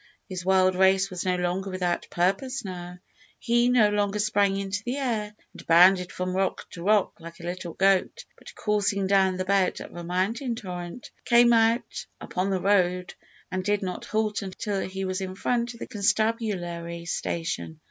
His wild race was no longer without purpose now. He no longer sprang into the air and bounded from rock to rock like a wild goat, but, coursing down the bed of a mountain torrent, came out upon the road, and did not halt until he was in front of the constabulary station.